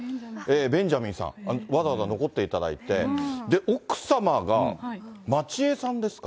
ベンジャミンさん、わざわざ残っていただいて、奥様がまちえさんですか？